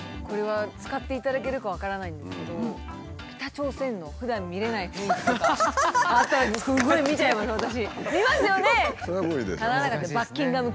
これは使っていただけるか分からないんですけどあったらすごい見ちゃいます私。